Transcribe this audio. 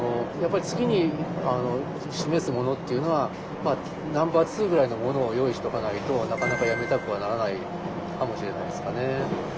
やっぱり次に示すものっていうのはナンバー２ぐらいのものを用意しておかないとなかなかやめたくはならないかもしれないですかね。